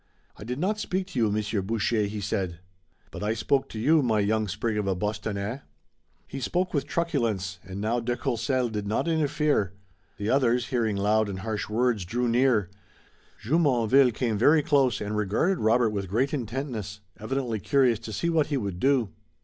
"I did not speak to you, Monsieur Boucher," he said. "But I spoke to you, my young sprig of a Bostonnais." He spoke with truculence, and now de Courcelles did not interfere. The others, hearing loud and harsh words, drew near. Jumonville came very close and regarded Robert with great intentness, evidently curious to see what he would do.